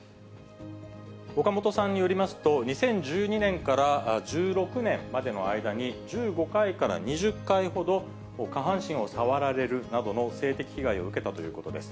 オカモトさんによりますと、２０１２年から１６年までの間に、１５回から２０回ほど、下半身を触られるなどの性的被害を受けたということです。